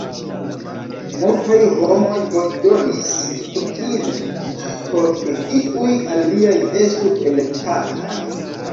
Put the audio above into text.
Multaj homoj voĉdonis "utile" por ke iuj aliaj estu elektataj.